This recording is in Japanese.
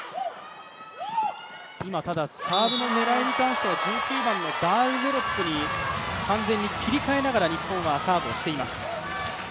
今、サーブの狙いに関しては１９番のダールデロップに完全に切り替えながら日本はサーブをしています。